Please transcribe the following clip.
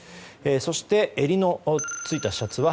そして、襟のついたシャツは